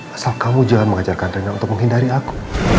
asal kamu jangan mengajarkan dirinya untuk menghindari aku